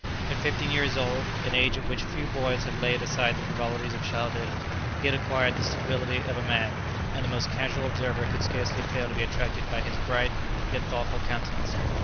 At fifteen years old, an age at which few boys have laid aside the frivolities of childhood, he had acquired the stability of a man, and the most casual observer could scarcely fail to be attracted by his bright, yet thoughtful countenance.